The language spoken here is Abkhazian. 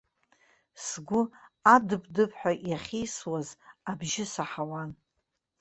Сгәы адыԥдыԥҳәа иахьеисуаз абжьы саҳауан.